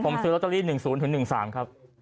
ผมซื้อลอตเตอรี่๑๐๑๓ครับ